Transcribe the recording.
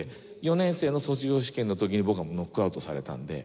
４年生の卒業試験の時に僕はもうノックアウトされたんで。